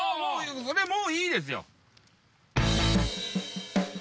でもういいですよ。